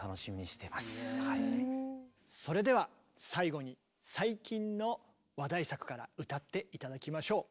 それでは最後に最近の話題作から歌って頂きましょう。